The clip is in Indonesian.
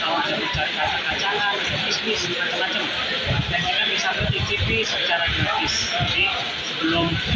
kalau ada umrah suami ada anjur ada macam macam juga